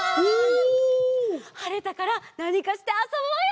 はれたからなにかしてあそぼうよ！